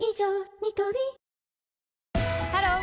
ニトリハロー！